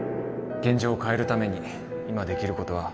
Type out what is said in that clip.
現状を変えるために今できることは